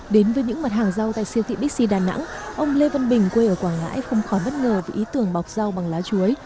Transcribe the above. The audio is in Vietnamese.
đến với những mặt hàng rau tại siêu thị bixi đà nẵng ông lê văn bình quê ở quảng ngãi không khó bất ngờ vì ý tưởng bọc rau bằng lá chuối